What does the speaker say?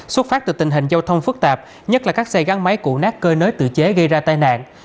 xuất phát từ tình hình giao thông phức tạp nhất là các xe gắn máy cụ nát cơi nới tự chế gây ra tai nạn